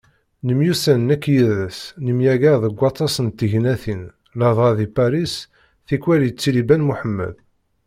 Nemyussan nekk yid-s, nemyaggar deg waṭas n tegnatin, ladɣa deg Paris, tikwal yettili Ben Muḥemmed.